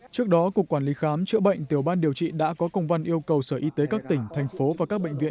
trước đó cục quản lý khám chữa bệnh tiểu ban điều trị đã có công văn yêu cầu sở y tế các tỉnh thành phố và các bệnh viện